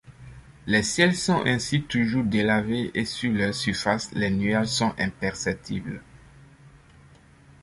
Les ciels sont ainsi toujours délavés et sur leur surface les nuages sont imperceptibles.